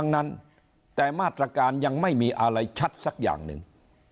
นั้นแต่มาตรการยังไม่มีอะไรชัดสักอย่างหนึ่ง